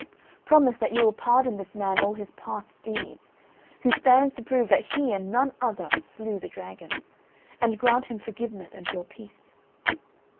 Promise that you will pardon this man all his past deeds, who stands to prove that he and none other slew the dragon, and grant him forgiveness and your peace."